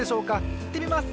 いってみます！